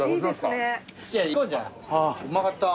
うまかった。